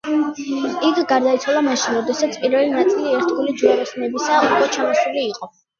იგი გარდაიცვალა მაშინ, როდესაც პირველი ნაწილი ერთგული ჯვაროსნებისა უკვე ჩამოსული იყო.